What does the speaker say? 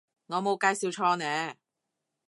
我冇介紹錯呢